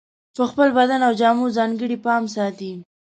په خپل بدن او جامو ځانګړی پام ساتي.